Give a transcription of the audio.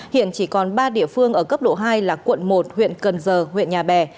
hiện chỉ còn ba địa phương ở cấp độ hai là quận một huyện cần giờ huyện nhà bè